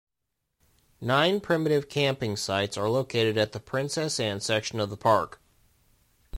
Nine primitive camping sites are located at the Princess Ann section of the park.